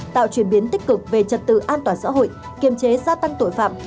tạo chuyển biến tích cực về trật tự an toàn xã hội kiềm chế gia tăng tội phạm